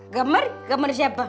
kamar kamar siapa